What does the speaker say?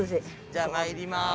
じゃあ参ります。